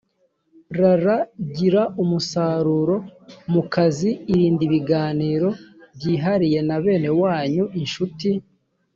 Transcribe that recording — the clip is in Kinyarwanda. rr gira umusaruro mu kazi irinde ibiganiro byihariye na bene wanyu inshuti